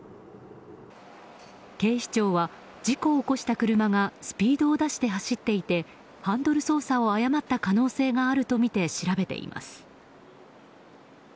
警視庁は事故を起こした車がスピードを出して走っていてハンドル操作を誤った可能性があるとみて調べています。